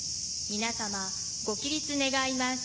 皆様、ご起立願います。